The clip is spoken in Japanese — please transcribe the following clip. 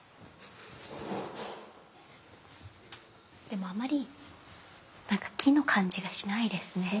でもあまり木の感じがしないですね。